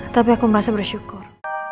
tapi aku merasa bersyukur